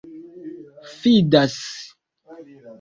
fidas